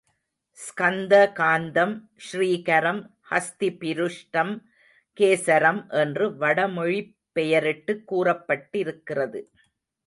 ஸ்கந்த காந்தம், ஸ்ரீகரம், ஹஸ்தி பிருஷ்டம், கேசரம் என்று வடமொழிப் பெயரிட்டு கூறப்பட்டிருக்கிறது.